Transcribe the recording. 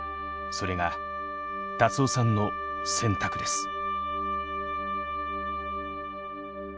それが辰雄さんの選択です。